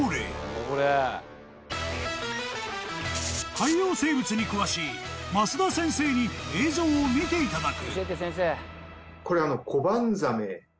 ［海洋生物に詳しい益田先生に映像を見ていただく］